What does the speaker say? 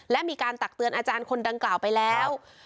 และมีการตักเตือนอาจารย์คนดังกล่าวไปแล้ว